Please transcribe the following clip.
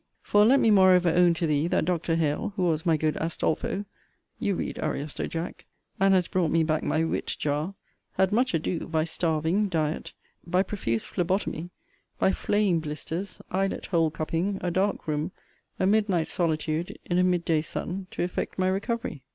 For, let me moreover own to thee, that Dr. Hale, who was my good Astolfo, [you read Ariosto, Jack,] and has brought me back my wit jar, had much ado, by starving, diet, by profuse phlebotomy, by flaying blisters, eyelet hole cupping, a dark room, a midnight solitude in a midday sun, to effect my recovery.